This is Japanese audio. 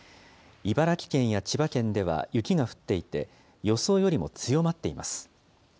茨城県や千葉県では雪が降っていて、予想よりも強まっています。